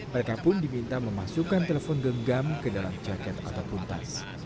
mereka pun diminta memasukkan telepon genggam ke dalam jaket ataupun tas